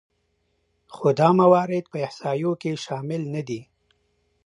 خو دا موارد په احصایو کې شامل نهدي